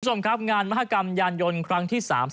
คุณผู้ชมครับงานมหากรรมยานยนต์ครั้งที่๓๐